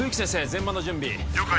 全麻の準備了解